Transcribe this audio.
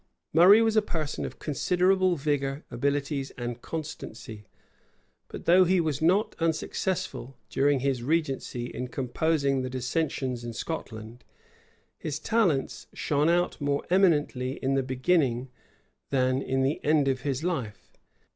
Murray was a person of considerable vigor, abilities, and constancy; but though he was not unsuccessful, during his regency, in composing the dissensions in Scotland, his talents shone out more eminently in the beginning than in the end of his life.